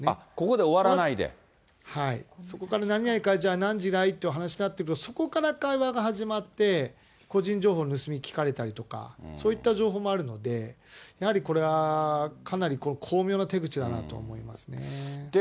はい、そこから、何々で、何時がいいっていう話になると、そこから会話が始まって、個人情報盗み聞かれたりだとか、そういった情報もあるので、やはりこれは、かなり、巧妙な手口だなと思いますね。